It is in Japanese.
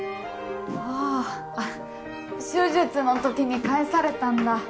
あああっ手術のときに返されたんだ。